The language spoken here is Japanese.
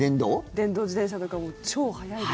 電動自転車とかも超速いです。